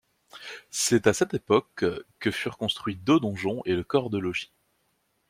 C'est à cette époque que furent construits deux donjons et le corps de logis.